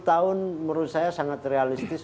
sepuluh tahun menurut saya sangat realistis